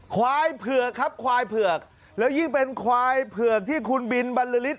ควายผือกครับควายผือกและยิ่งเป็นควายผือกที่คุณบิลบัณฑฤฤษ